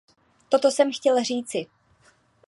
Toto jsem chtěl říci.